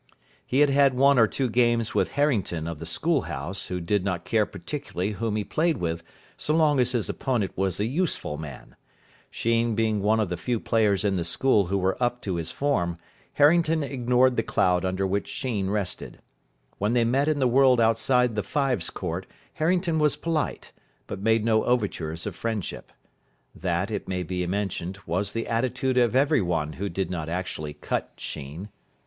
He had had one or two games with Harrington of the School House, who did not care particularly whom he played with so long as his opponent was a useful man. Sheen being one of the few players in the school who were up to his form, Harrington ignored the cloud under which Sheen rested. When they met in the world outside the fives courts Harrington was polite, but made no overtures of friendship. That, it may be mentioned, was the attitude of every one who did not actually cut Sheen.